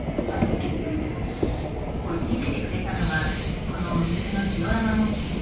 見せてくれたのはこのお店のジオラマ模型。